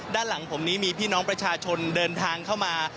ด้านหลังผมนี้มีพี่น้องประชาชนเดินทางเข้ามา